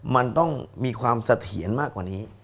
มันต้องมีความเสถียรมากกว่านี้